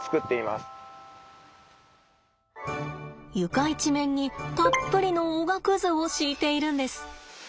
床一面にたっぷりのおがくずを敷いているんです。